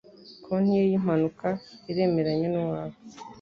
Konti ye yimpanuka iremeranya nuwawe.